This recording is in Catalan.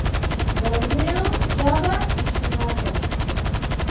Borneo, Java i Sumatra.